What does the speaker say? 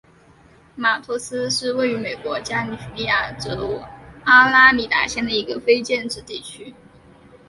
马托斯是位于美国加利福尼亚州阿拉米达县的一个非建制地区。